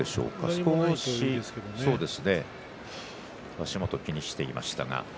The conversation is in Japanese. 少し足元を気にしていました。